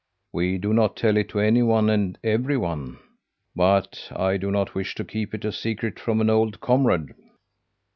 "We do not tell it to anyone and everyone, but I do not wish to keep it a secret from an old comrade.